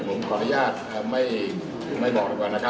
ผมขออนุญาตไม่บอกแล้วก่อน